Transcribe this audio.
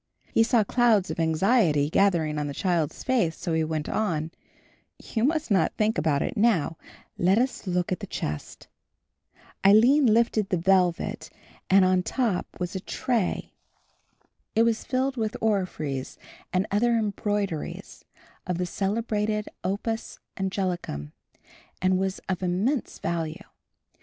He saw clouds of anxiety gathering on the child's face, so he went on, "You must not think about it now; let us look at the chest." Aline lifted the velvet and on the top was a tray. It was filled with orphreys and other embroideries of the celebrated opus anglicum and was of immense value.